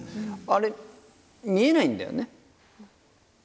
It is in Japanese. あれ見えないんだよね？